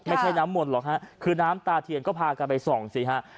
ไม่ใช่น้ำมนต์หรอกฮะคือน้ำตาเทียนก็พากันไปส่องสิฮะ